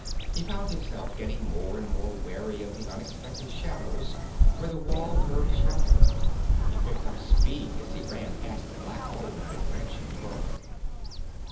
He found himself getting more and more wary of the unexpected shadows where the wall curved sharply: he picked up speed as he ran past the black hole of a branching burrow.